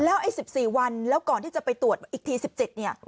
แล้ว๑๔วันแล้วก่อนที่จะไปตรวจอีกที๑๗